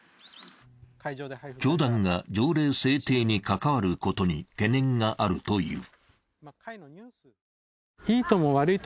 教団が条例制定に関わることに懸念があるという。